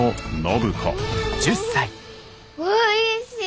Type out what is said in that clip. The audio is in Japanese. んおいしい！